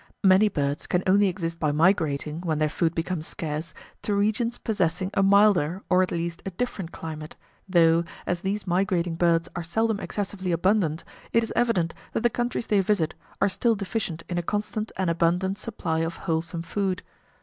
Many birds can only exist by migrating, when their food becomes scarce, to regions possessing a milder, or at least a different climate, though, as these migrating birds are seldom excessively abundant, it is evident that the countries they visit are still deficient in a constant and abundant supply of wholesome food.